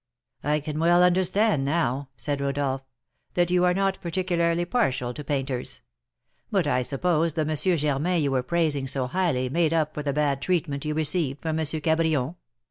"I can well understand, now," said Rodolph, "that you are not particularly partial to painters; but I suppose the M. Germain you were praising so highly made up for the bad treatment you received from M. Cabrion?"